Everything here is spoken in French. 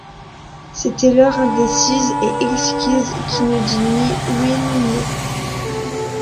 C’était l’heure indécise et exquise qui ne dit ni oui ni non.